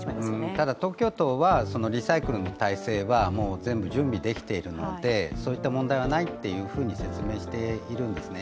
ただ東京都はリサイクルの体制は全部準備できているのでそういった問題はないというふうに説明しているんですね。